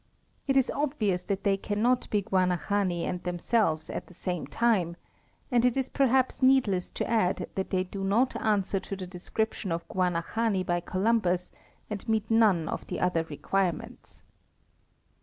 It is obvious that they cannot be Guanahani and themselves at the same time; and it is perhaps needless to add that they do not answer to the description of Guanahani by Columbus and meet none of the other requirements.